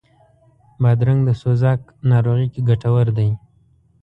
بادرنګ د سوزاک ناروغي کې ګټور دی.